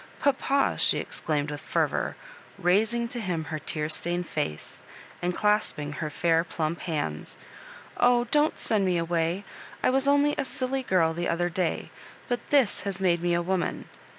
"Papal " she ex claimed with fervour, raising to him her tear stained face, and clasping her &ir plump hands, " oh, don't send me away I I was only a silly girl the other day, but this has made me a wo man.